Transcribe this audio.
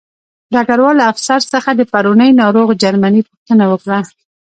ډګروال له افسر څخه د پرونۍ ناروغ جرمني پوښتنه وکړه